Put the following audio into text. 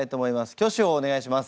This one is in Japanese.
挙手をお願いします。